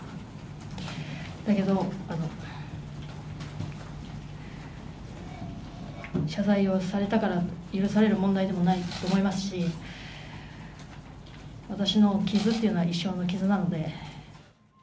だけど、謝罪をされたから許される問題でもないと思いますし私の傷というのは一生の傷なので。